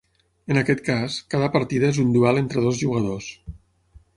En aquest cas, cada partida és un duel entre dos jugadors.